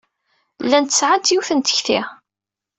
Llant sɛant yiwet n tekti.